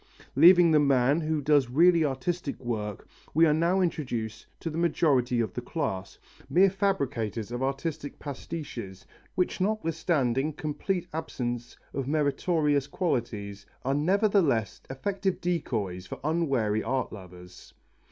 Leaving the man who does really artistic work we are now introduced to the majority of the class, mere fabricators of artistic pastiches, which notwithstanding complete absence of meritorious qualities are nevertheless effective decoys for unwary art lovers.